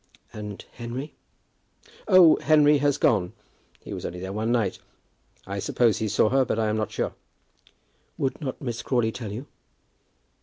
"And Henry?" "Oh, Henry has gone. He was only there one night. I suppose he saw her, but I am not sure." "Would not Miss Crawley tell you?"